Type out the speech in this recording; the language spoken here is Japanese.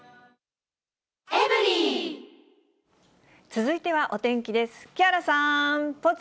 続いてはお天気です。